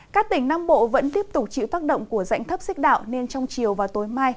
các tỉnh nam bộ vẫn tiếp tục chịu tác động của dạnh thấp xích đạo nên trong chiều và tối mai